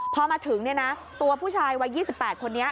พอมาถึงตัวผู้ชายวัย๒๘คนนี้